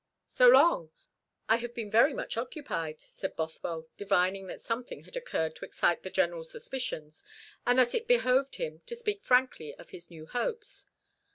"So long?" "I have been very much occupied," said Bothwell, divining that something had occurred to excite the General's suspicions, and that it behoved him to speak frankly of his new hopes.